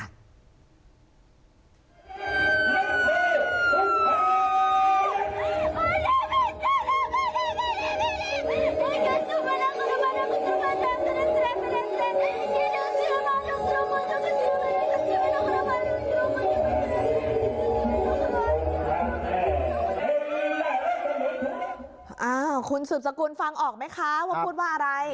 อ้าวคุณสืบสกุลฟังออกไหมคะว่าพูดว่าอะไร